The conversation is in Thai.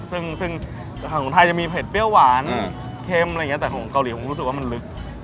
ซึ่งของไทยจะมีเผ็ดเปรี้ยวหวานเค็มอะไรอย่างนี้แต่ของเกาหลีผมรู้สึกว่ามันลึก